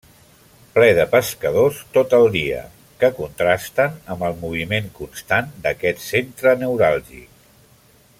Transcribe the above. Ple de pescadors tot el dia, que contrasten amb el moviment constant d'aquest centre neuràlgic.